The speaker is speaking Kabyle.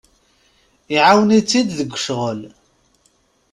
Iɛawen-itt-id deg ccɣel.